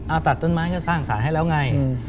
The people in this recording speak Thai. เอาตัดต้นไม้ก็สร้างสารให้แล้วไง